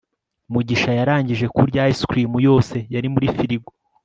mugisha yarangije kurya ice cream yose yari muri firigo